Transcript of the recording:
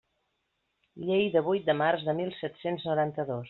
Llei de vuit de març de mil set-cents noranta-dos.